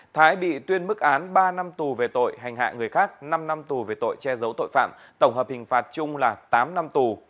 thái bị tuyên mức án ba năm tù về tội hành hạ người khác năm năm tù về tội che giấu tội phạm tổng hợp hình phạt chung là tám năm tù